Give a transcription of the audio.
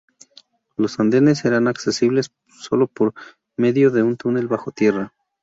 Los andenes serán accesibles solo por medio de un túnel bajo tierra.